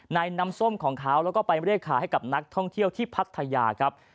น้ำส้มของเขาแล้วก็ไปเรียกขายให้กับนักท่องเที่ยวที่พัทยาครับ